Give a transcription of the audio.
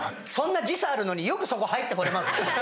そんな時差あるのによくそこ入ってこられますね。